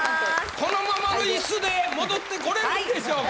このままの椅子で戻ってこれるでしょうか？